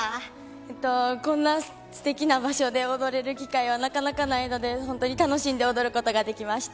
こんなすてきな場所で踊る機会はないので楽しんで踊ることができました。